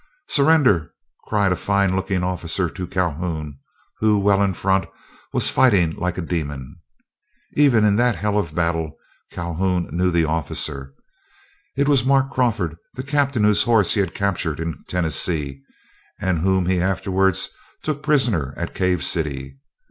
"Surrender," cried a fine looking officer to Calhoun, who, well in front, was fighting like a demon. Even in that hell of battle Calhoun knew the officer. It was Mark Crawford, the captain whose horse he had captured in Tennessee, and whom he afterwards took prisoner at Cave City.